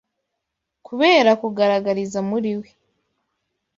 Kubera kugaragariza muri we